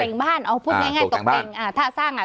แต่งบ้านเอาพูดง่ายตกแต่งอ่าถ้าสร้างอ่ะ